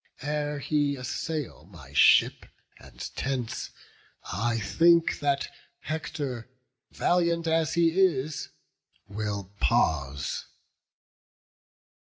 Ere he assail my ship and tents, I think That Hector, valiant as he is, will pause."